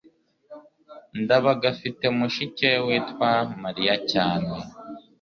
ndabaga afite mushiki we witwa mariya cyane